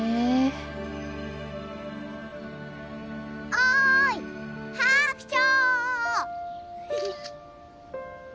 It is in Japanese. おーい白鳥！